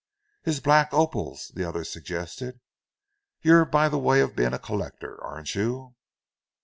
"His black opals," the other suggested. "You're by the way of being a collector, aren't you?"